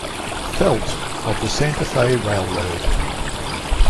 Felt of the Santa Fe Railroad.